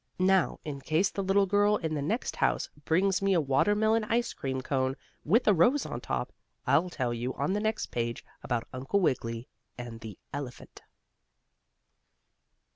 Now, in case the little girl in the next house brings me a watermelon ice cream cone with a rose on top, I'll tell you on the next page about Uncle Wiggily and the elephant.